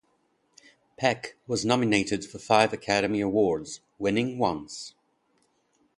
Peck was nominated for five Academy Awards, winning once.